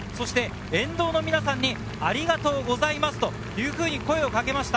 沿道の皆さんにありがとうございますと声をかけました。